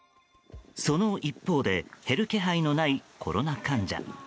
その一方で減る気配のないコロナ患者。